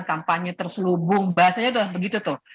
kampanye terselubung bahasanya sudah begitu tuh